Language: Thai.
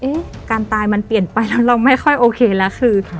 การตายมันเปลี่ยนไปแล้วเราไม่ค่อยโอเคแล้วคือ